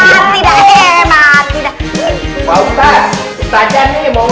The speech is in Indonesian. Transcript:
pak ustadz pak jani mau ngomong